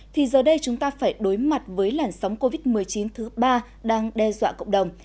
thì giờ đây chúng ta phải đối mặt với làn sóng covid một mươi chín thứ ba đang đe dọa cộng đồng